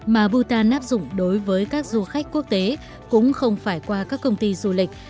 mà bhutan áp dụng đối với các du khách quốc tế cũng không phải qua các công ty du lịch